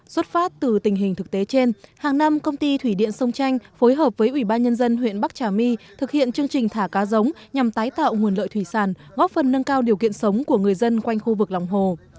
xuất phát từ tình hình thực tế trên hàng năm công ty thủy điện sông tranh phối hợp với ủy ban nhân dân huyện bắc trà my thực hiện chương trình thả cá giống nhằm tái tạo nguồn lợi thủy sản góp phần nâng cao điều kiện sống của người dân quanh khu vực lòng hồ